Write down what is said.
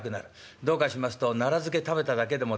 どうかしますと奈良漬食べただけでもって酔ってしまう。